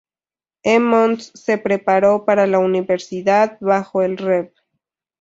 Emmons se preparó para la universidad bajo el Rev.